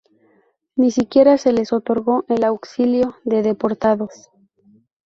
Ni siquiera se les otorgó el auxilio de deportados.